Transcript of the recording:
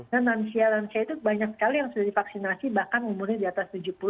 dan nansia nansia itu banyak sekali yang sudah divaksinasi bahkan umurnya di atas tujuh puluh delapan puluh tahun